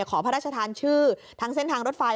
ขอพระราชทานชื่อทั้งเส้นทางรถไฟ